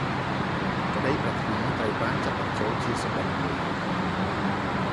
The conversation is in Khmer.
ក្តីប្រាថ្នាត្រូវបានចាត់បញ្ចូលជាសុបិន្តមួយ។